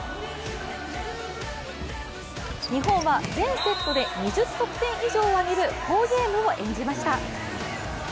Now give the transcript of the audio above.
日本は全セットで２０得点以上をあげる好ゲームを演じました。